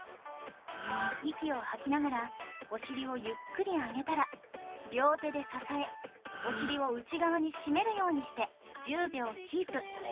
息を吐きながらお尻をゆっくり上げたら両手で支えお尻を内側に締めるようにして１０秒キープ